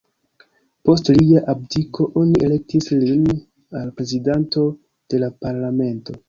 Post lia abdiko, oni elektis lin al prezidanto de la parlamento.